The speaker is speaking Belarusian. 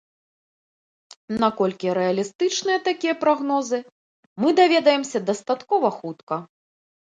Наколькі рэалістычныя такія прагнозы, мы даведаемся дастаткова хутка.